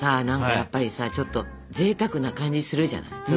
何かやっぱりさちょっとぜいたくな感じするじゃない。